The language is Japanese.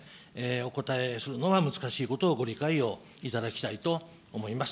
お答えするのは難しいことをご理解をいただきたいと思います。